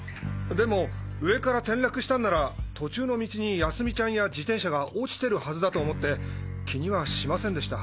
でも上から転落したんなら途中の道に泰美ちゃんや自転車が落ちてるはずだと思って気にはしませんでした。